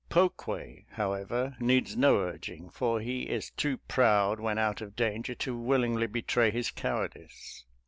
Pokue, however, needs no urging, for he is too proud when out of danger to willingly betray his cowardice.